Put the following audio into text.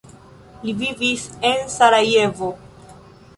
Li vivis en Sarajevo.